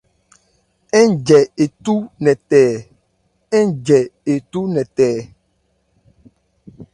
Ńjɛ ethú nkɛ tɛɛ.